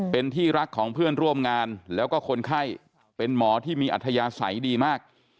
เป็นที่รักของเพื่อนร่วมงานแล้วก็คนไข้เป็นหมอที่มีอัธยาศัยดีมาก